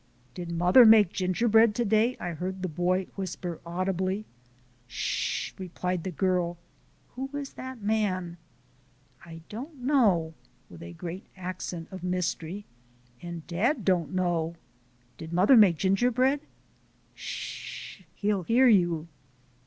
"Did mother make gingerbread to day?" I heard the boy whisper audibly. "Sh h " replied the girl, "who is that man?" "I don't know" with a great accent of mystery "and dad don't know. Did mother make gingerbread?" "Sh h he'll hear you."